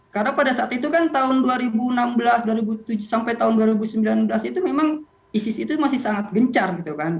karena pada saat itu kan tahun dua ribu enam belas sampai tahun dua ribu sembilan belas itu memang isis itu masih sangat gencar gitu kan